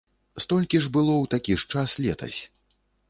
Столькі ж было ў такі ж час летась.